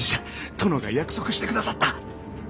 殿が約束してくださった！